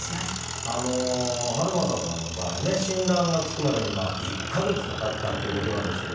遥政さんの場合ね診断がつくまでに１か月かかったっていうことなんですけど